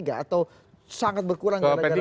atau sangat berkurang